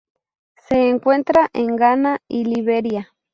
Se encuentra en Ghana y Liberia.